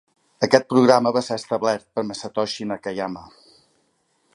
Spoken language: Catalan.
Aquest programa va ser establert per Masatoshi Nakayama.